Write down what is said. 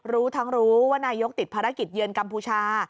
รู้ทั้งรู้ว่านายกติดภารกิจเยือนกัมพูชา